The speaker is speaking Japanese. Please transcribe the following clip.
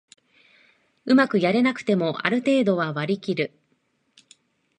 うまくやれなくてもある程度は割りきる